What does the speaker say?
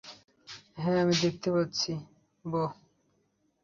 হ্যাঁ, আমি দেখতে পাচ্ছি, বোহ।